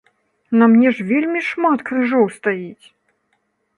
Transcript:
На мне ж вельмі шмат крыжоў стаіць!